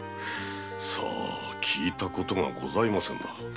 聞いたことがございませんな。